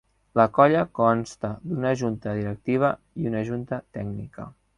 La colla consta d'una junta directiva i una junta tècnica.